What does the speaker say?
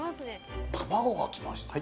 卵がきましたね。